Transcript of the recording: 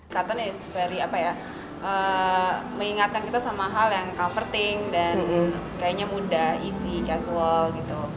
katen is very apa ya mengingatkan kita sama hal yang comforting dan kayaknya mudah easy casual gitu